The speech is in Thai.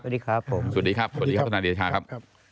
สวัสดีครับผมสวัสดีครับสวัสดีครับทนายเดชาครับ